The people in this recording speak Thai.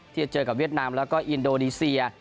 ที่จะเจอกับเวียดนามแล้วก็อินโดนีเซีย